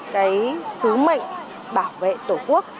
cái sứ mệnh bảo vệ tổ quốc